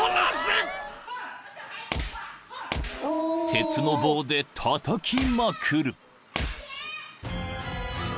［鉄の棒でたたきまくる］